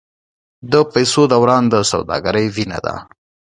د پیسو دوران د سوداګرۍ وینه ده.